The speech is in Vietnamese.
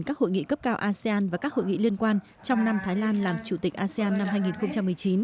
các hội nghị cấp cao asean và các hội nghị liên quan trong năm thái lan làm chủ tịch asean năm hai nghìn một mươi chín